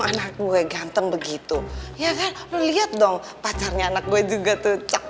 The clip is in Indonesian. gabungu ngomong juga serat udah